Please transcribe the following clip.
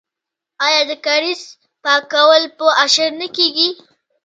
آیا د کاریز پاکول په اشر نه کیږي؟